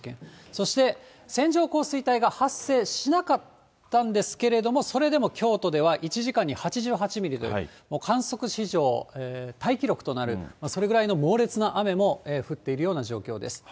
そして、線状降水帯が発生しなかったんですけれども、それでも京都では１時間に８８ミリという、観測史上タイ記録となる、それぐらいの猛烈な雨も降っているような状況です。